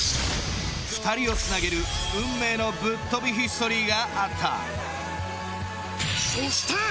２人をつなげる運命のぶっとびヒストリーがあったそして！